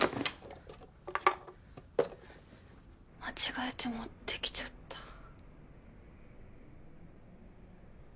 間違えて持ってきちゃった。